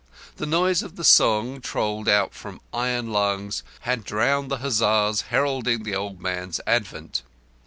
The noise of the song, trolled out from iron lungs, had drowned the huzzahs heralding the old man's advent.